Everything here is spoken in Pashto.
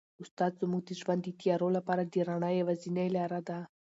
استاد زموږ د ژوند د تیارو لپاره د رڼا یوازینۍ لاره ده.